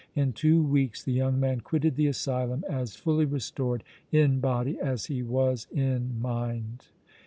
In two weeks the young man quitted the asylum as fully restored in body as he was in mind.